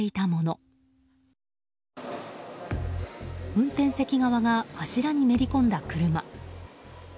運転席側が柱にめり込んだ車。